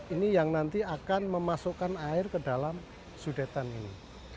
ini yang nanti akan memasukkan air ke dalam sudetan ini